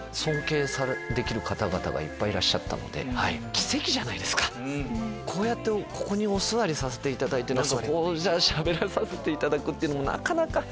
奇跡じゃないですかこうやってここにお座りさせていただいてしゃべらさせていただくってのもなかなか。